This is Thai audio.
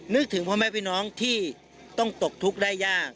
ถึงพ่อแม่พี่น้องที่ต้องตกทุกข์ได้ยาก